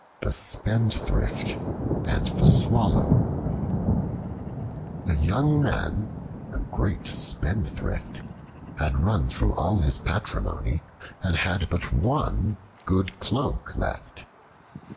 The Spendthrift and the Swallow A YOUNG MAN, a great spendthrift, had run through all his patrimony and had but one good cloak left.